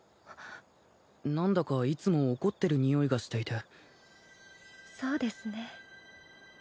「何だかいつも怒ってるにおいがしていて」